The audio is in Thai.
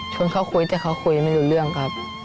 เขาคุยแต่เขาคุยไม่รู้เรื่องครับ